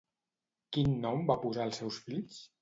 Quin nom van posar als seus fills?